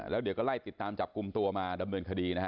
แล้วเดี๋ยวก็ไล่ติดตามจับกลุ่มตัวมาดำเนินคดีนะฮะ